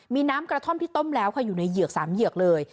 มีน้ำกระท่อมที่ต้มแล้วค่ะอยู่ในเหยือก๓เหยือกเลย